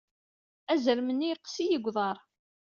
Azrem-nni yeqqes-iyi deg uḍar.